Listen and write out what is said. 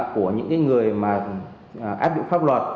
của những người áp dụng pháp luật